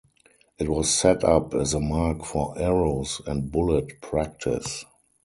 It was set up as a mark for arrows and bullet-practice.